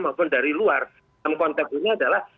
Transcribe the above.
maupun dari luar dalam konteks ini adalah